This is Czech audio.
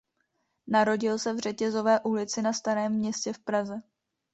Narodil se v Řetězové ulici na Starém Městě v Praze.